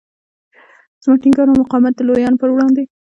زما ټینګار او مقاومت د لویانو پر وړاندې.